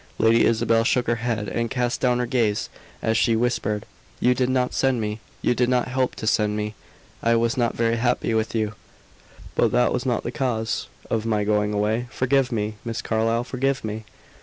Lady Isabel shook her head and cast down her gaze, as she whispered: "You did not send me; you did not help to send me. I was not very happy with you, but that was not the cause of my going away. Forgive me, Miss Carlyle, forgive me!"